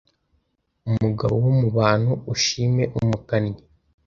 Umugabo wo mu bantu, ushime umukannyi